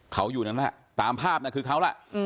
เขาอยู่นั้นแหละตามภาพที่เขาแหละ